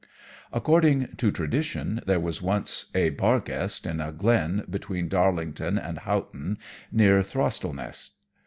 According to tradition there was once a "Barguest" in a glen between Darlington and Houghton, near Throstlenest.